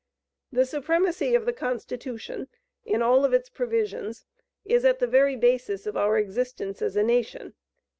The supremacy of the constitution, in all its provisions, is at the very basis of our existence as a nation.